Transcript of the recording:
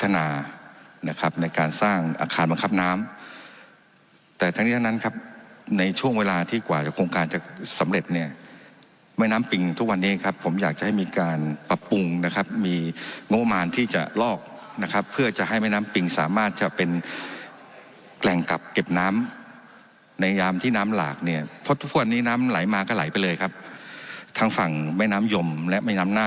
นะครับในการสร้างอาคารบังคับน้ำแต่ทั้งนี้ทั้งนั้นครับในช่วงเวลาที่กว่าโครงการจะสำเร็จเนี่ยแม่น้ำปิงทุกวันนี้ครับผมอยากจะให้มีการปรับปรุงนะครับมีงบมารที่จะลอกนะครับเพื่อจะให้แม่น้ำปิงสามารถจะเป็นแหล่งกักเก็บน้ำในยามที่น้ำหลากเนี่ยเพราะทุกวันนี้น้ำไหลมาก็ไหลไปเลยครับทั้งฝั่งแม่น้ำยมและแม่น้ำน่า